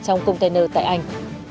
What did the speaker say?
trong container tại anh